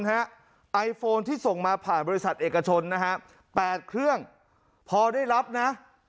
ไอโฟนที่ส่งมาผ่านบริษัทเอกชนนะฮะ๘เครื่องพอได้รับนะ